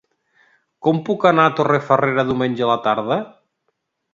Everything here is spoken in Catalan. Com puc anar a Torrefarrera diumenge a la tarda?